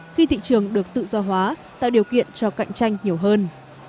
khi thị trường được tự do hóa tạo điều kiện cho cạnh tranh nhiều hơn